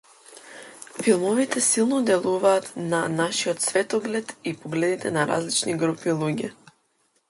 Филмовите силно делуваат на нашиот светоглед и погледите на различни групи луѓе.